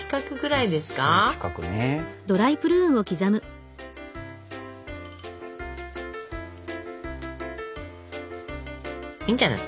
いいんじゃない？